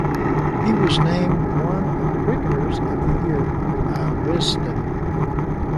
He was named one of Cricketers of the Year by "Wisden".